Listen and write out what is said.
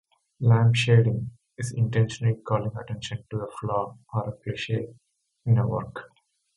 Lampshading is intentionally calling attention to a flaw or cliche in a work.